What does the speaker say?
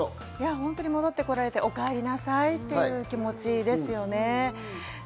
本当に戻ってきてくれて、お帰りなさいという気持ちですね。